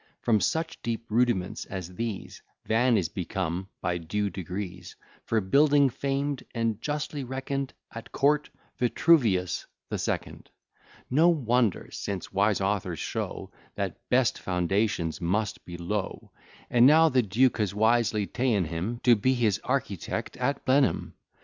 From such deep rudiments as these, Van is become, by due degrees, For building famed, and justly reckon'd, At court, Vitruvius the Second: No wonder, since wise authors show, That best foundations must be low: And now the duke has wisely ta'en him To be his architect at Blenheim.